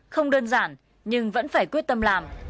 không đơn giản nhưng vẫn phải quyết tâm làm